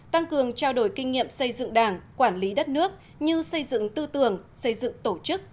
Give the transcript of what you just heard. tăng cường trao đổi kinh nghiệm xây dựng đảng quản lý đất nước như xây dựng tư tưởng xây dựng tổ chức